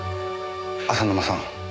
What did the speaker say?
浅沼さん。